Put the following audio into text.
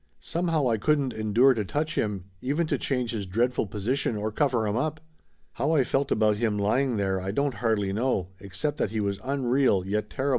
Somehow I couldn't endure to touch him, even to change his dreadful position or cover him up. How I felt about him lying there I don't hardly know, ex cept that he was unreal yet terrible.